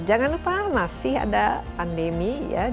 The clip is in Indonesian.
jangan lupa masih ada pandangan